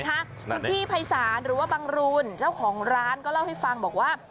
คุณพี่ภัยศาลหรือว่าบังรูนเจ้าของร้านก็เล่าให้ฟังบอกว่า